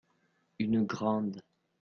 Une grande.